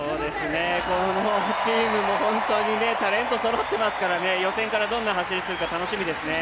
このチームも本当にタレントがそろっていますから予選からどんな走りするか楽しみですね。